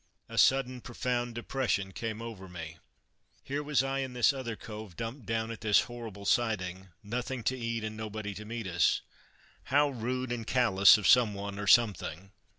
A sudden, profound depression came over me. Here was I and this other cove dumped down at this horrible siding; nothing to eat, and nobody to meet us. How rude and callous of someone, or something.